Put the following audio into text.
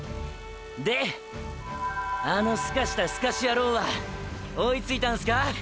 であのスカシたスカシヤロウは追いついたんすか。